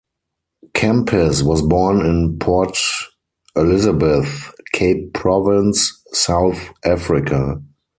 Kempis was born in Port Elizabeth, Cape Province, South Africa.